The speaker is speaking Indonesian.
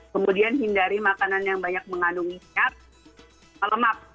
kemudian hindari makanan yang banyak mengandung minyak lemak